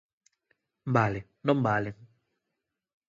Vale, non valen.